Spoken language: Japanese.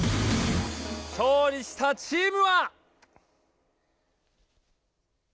⁉勝利したチームは！